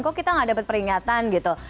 kok kita gak dapat peringatan gitu